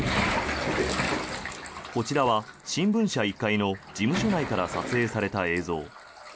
こちらは新聞社１階の事務所内から撮影された映像。